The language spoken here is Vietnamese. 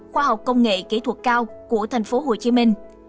khoa học công nghệ kỹ thuật cao của thành phố hồ chí minh